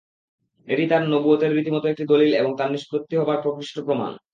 এটিই তাঁর নবুওতের রীতিমত একটি দলীল এবং তাঁর নিষ্পাপ হবার প্রকৃষ্ট প্রমাণ।